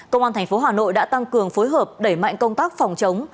công an tp hà nội đã tăng cường phối hợp đẩy mạnh công tác phòng chống